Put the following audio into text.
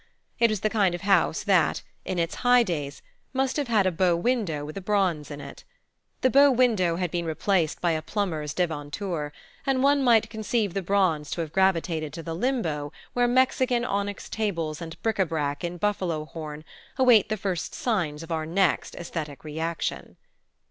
It was the kind of house that, in its high days, must have had a bow window with a bronze in it. The bow window had been replaced by a plumber's devanture, and one might conceive the bronze to have gravitated to the limbo where Mexican onyx tables and bric a brac in buffalo horn await the first signs of our next aesthetic reaction.